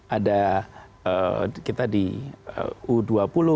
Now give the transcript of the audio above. ada kita di u dua puluh